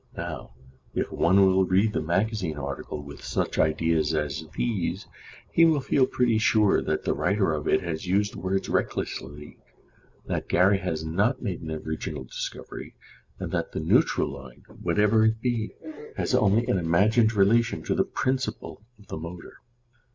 Now if one will read the magazine article with such ideas as these he will feel pretty sure that the writer of it has used words recklessly, that Gary has not made an original discovery, and that the "neutral" line, whatever it be, has only an imagined relation to the "principle" of the motor.